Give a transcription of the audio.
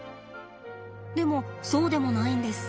でもそうでもないんです。